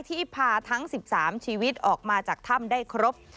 ที่พาทั้ง๑๓ชีวิตออกมาจากถ้ำได้ครบ